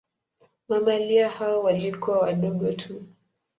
Mamalia hao walikuwa wadogo tu.